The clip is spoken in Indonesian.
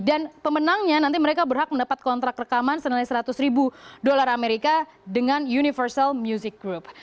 dan pemenangnya nanti mereka berhak mendapat kontrak rekaman senilai seratus ribu dolar amerika dengan universal music group